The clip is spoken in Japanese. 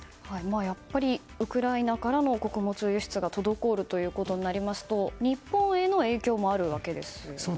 やっぱりウクライナからの穀物輸出が滞ることになりますと日本への影響もあるわけですね。